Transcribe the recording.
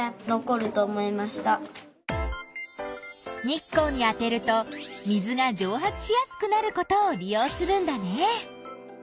日光に当てると水がじょう発しやすくなることを利用するんだね。